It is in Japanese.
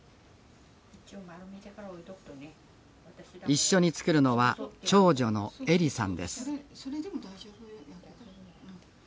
一緒に作るのは長女の愛理さんです